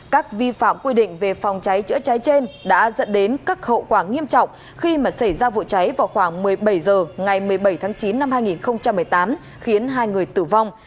các vi phạm quy định về phòng cháy chữa cháy trên đã dẫn đến các hậu quả nghiêm trọng khi mà xảy ra vụ cháy vào khoảng một mươi bảy h ngày một mươi bảy tháng chín năm hai nghìn một mươi tám khiến hai người tử vong